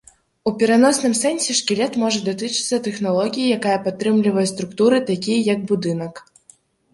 У пераносным сэнсе, шкілет можа датычыцца тэхналогіі, якая падтрымлівае структуры, такія як будынак.